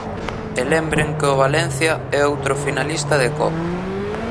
E lembren que o Valencia é o outro finalista de Copa.